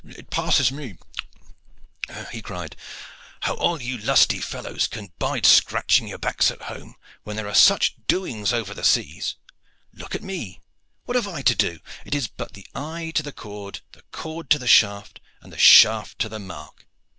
"It passes me," he cried, "how all you lusty fellows can bide scratching your backs at home when there are such doings over the seas. Look at me what have I to do? It is but the eye to the cord, the cord to the shaft, and the shaft to the mark.